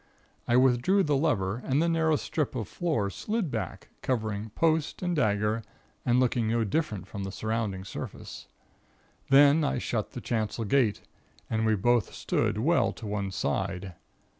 I withdrew the lever and the narrow strip of floor slid back, covering post and dagger, and looking no different from the surrounding surface. Then I shut the chancel gate, and we both stood well to one side.